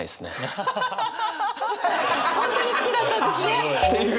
本当に好きだったんですね。という。